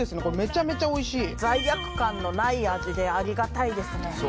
これめちゃめちゃおいしい罪悪感のない味でありがたいですね